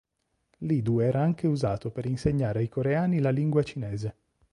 L'idu era anche usato per insegnare ai coreani la lingua cinese.